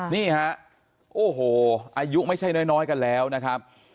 นี่ฮะโอ้โหอายุไม่ใช่น้อยกันแล้วนะครับ